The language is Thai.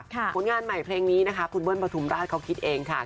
ผลงานใหม่เพลงนี้นะคะคุณเบิ้ลประทุมราชเขาคิดเองค่ะ